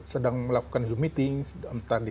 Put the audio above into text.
sedang melakukan zoom meeting sedang di